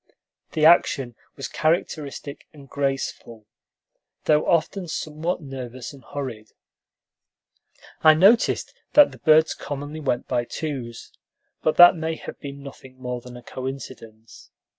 The action was characteristic and graceful, though often somewhat nervous and hurried. I noticed that the birds commonly went by twos, but that may have been nothing more than a coincidence.